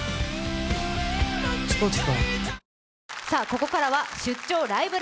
ここからは「出張ライブ！